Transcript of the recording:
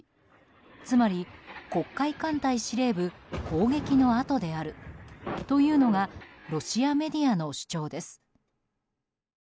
つまり、黒海艦隊司令部攻撃のあとであるというのがロシアメディアの主張です。